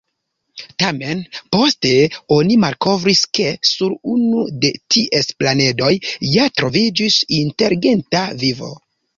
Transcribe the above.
Tamen poste oni malkovris, ke sur unu de ties planedoj ja troviĝis inteligenta vivo.